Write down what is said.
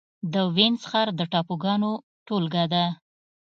د وينز ښار د ټاپوګانو ټولګه ده.